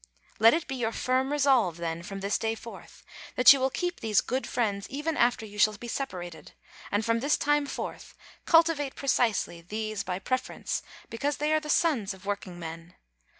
Let it be your firm resolve, then, from this day forth, that you will keep these good friends even after you shall be separated, and from this time forth, cultivate precisely these by preference because they are the sons of work 234 APRIL ingmen.